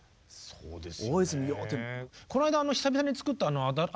そうですね。